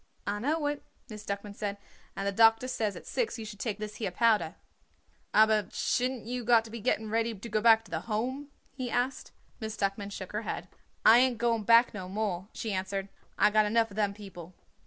"I know it," Miss Duckman said; "and the doctor says at six you should take this here powder." "Aber shouldn't you got to be getting ready to go back to the Home?" he asked. Miss Duckman shook her head. "I ain't going back no more," she answered. "I got enough of them people."